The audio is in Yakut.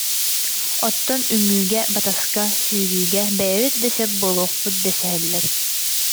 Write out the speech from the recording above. Оттон үҥүүгэ, батаска, сүүрүүгэ бэйэбит да сөп буолуохпут дэсиһэллэр